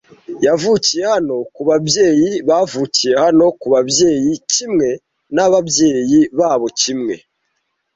Yavukiye hano kubabyeyi bavukiye hano kubabyeyi kimwe, nababyeyi babo kimwe,